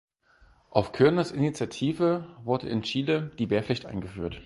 Auf Körners Initiative wurde in Chile die Wehrpflicht eingeführt.